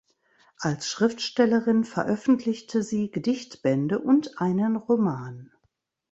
Als Schriftstellerin veröffentlichte sie Gedichtbände und einen Roman.